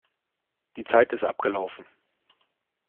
Die Zeit ist abgelaufen.